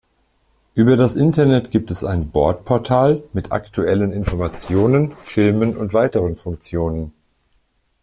Über das Internet gibt es ein „Bord-Portal“ mit aktuellen Informationen, Filmen und weiteren Funktionen.